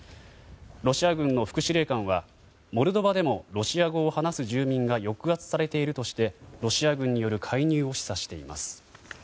ロシア軍の副司令官はモルドバでもロシア語を話す住民が抑圧されているとしてロシア軍による介入を示唆しています。